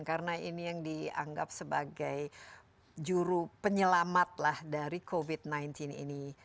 karena ini yang dianggap sebagai juru penyelamat lah dari covid sembilan belas ini